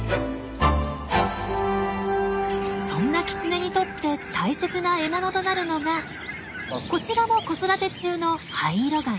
そんなキツネにとって大切な獲物となるのがこちらも子育て中のハイイロガン。